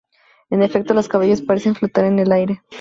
En efecto, los caballos parecen flotar en el aire.